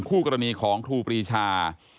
คู่กรณีของครูปรีชา